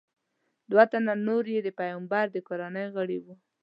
دوه تنه نور یې د پیغمبر د کورنۍ غړي وو.